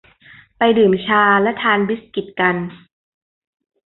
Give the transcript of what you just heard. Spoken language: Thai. ไปดื่มชาและทานบิสกิตกัน